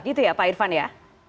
gitu ya pak irvan ya